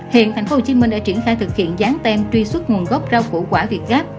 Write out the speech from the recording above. hiện tp hcm đã triển khai thực hiện gián tem truy xuất nguồn gốc rau củ quả việc gáp